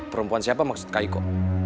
perempuan siapa maksud kak iko